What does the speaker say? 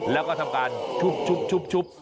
แล้วก็ทำการชุบ